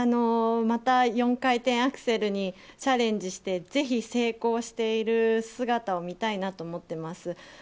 また４回転アクセルにチャレンジしてぜひ成功している姿を見たいなと思ってます。